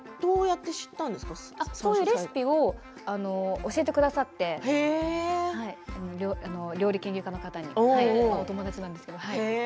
そのレシピを教えてくださって料理研究家の方お友達なんですけれど。